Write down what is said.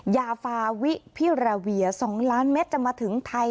ยาฟาวิพิราเวีย๒ล้านเมตรจะมาถึงไทย